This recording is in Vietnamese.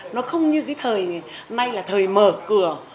nó không như cái thời nay là thời mở cửa